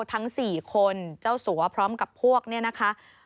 ทั้ง๔คนเจ้าสัวพร้อมกับพวกเนี่ยนะคะ